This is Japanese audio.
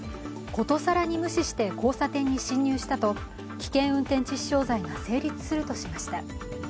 殊さらに無視して交差点に進入したと危険運転致死傷罪が成立するとしました。